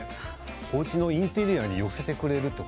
おうちのインテリアに寄せてくれるっていう。